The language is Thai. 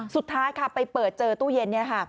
สุดท้ายค่ะไปเปิดเจอตู้เย็น